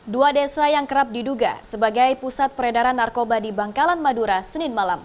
dua desa yang kerap diduga sebagai pusat peredaran narkoba di bangkalan madura senin malam